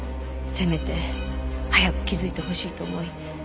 せめて早く気づいてほしいと思い